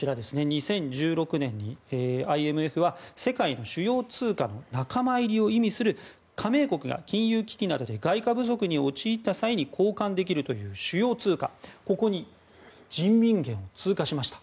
２０１６年にＩＭＦは世界の主要通貨の仲間入りを意味する加盟国が金融危機などで外貨不足に陥った際に交換できるという主要通貨ここに人民元を追加しました。